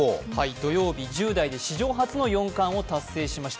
土曜日、１０代で史上初の四冠を達成しました。